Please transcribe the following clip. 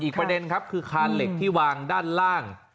ประเด็นครับคือคานเหล็กที่วางด้านล่าง